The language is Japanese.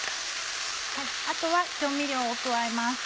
あとは調味料を加えます。